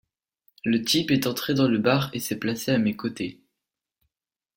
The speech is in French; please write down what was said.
Le type est entré dans le bar et s’est placé à mes côtés.